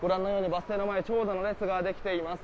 バス停の前は長蛇の列ができています。